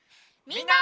みんな！